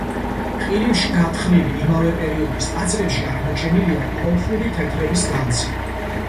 ყირიმში გათხრილი იმავე პერიოდის ტაძრებში აღმოჩენილია კოლხური თეთრების განძი.